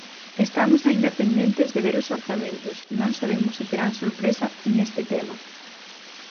Estamos aínda pendentes de ver os orzamentos, non sabemos se terán sorpresa neste tema.